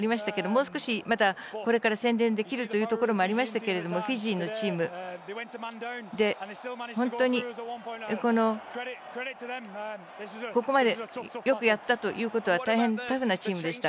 もう少し、洗練できるということもありましたがフィジーのチームで本当に、ここまでよくやったということは大変、タフなチームでした。